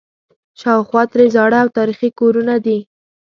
شاوخوا ترې زاړه او تاریخي کورونه دي.